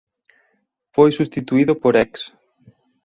Foi substituído por ex.